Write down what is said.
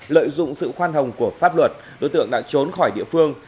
lợi dụng sự khoan hồng của pháp luật đối tượng đã trốn khỏi địa phương